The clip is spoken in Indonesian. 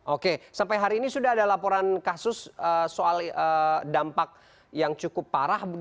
oke sampai hari ini sudah ada laporan kasus soal dampak yang cukup parah